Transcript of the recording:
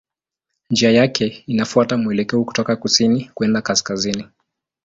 Njia yake inafuata mwelekeo kutoka kusini kwenda kaskazini.